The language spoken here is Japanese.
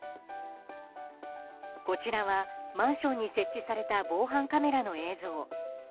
こちらはマンションに設置された防犯カメラの映像。